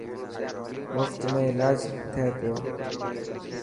مفت ۾ الاج ٿي پيو.